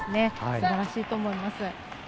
すばらしいと思います。